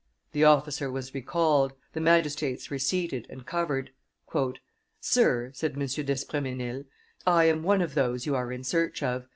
The officer was recalled, the magistrates were seated and covered. "Sir," said M. d'Espremesnil, "I am one of those you are in search of.